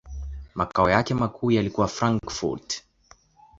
Makao yake makuu yalikuwa Frankfurt.